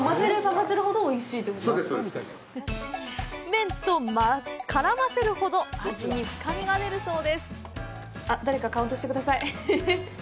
麺と絡ませるほど味に深みが出るそうです。